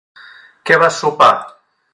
Què vas sopar?